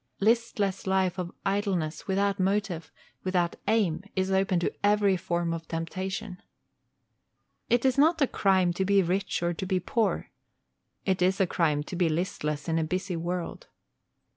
Listless life of idleness, without motive, without aim, is open to every form of temptation. It is not a crime to be rich, or to be poor. It is a crime to be listless in a busy world.